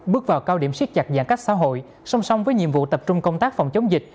bước vào cao điểm siết chặt giãn cách xã hội song song với nhiệm vụ tập trung công tác phòng chống dịch